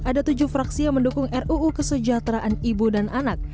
ada tujuh fraksi yang mendukung ruu kesejahteraan ibu dan anak